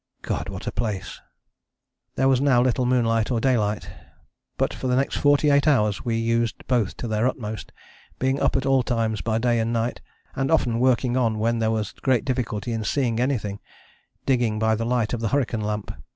God! What a place! "There was now little moonlight or daylight, but for the next forty eight hours we used both to their utmost, being up at all times by day and night, and often working on when there was great difficulty in seeing anything; digging by the light of the hurricane lamp.